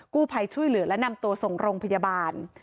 ภัยช่วยเหลือและนำตัวส่งโรงพยาบาล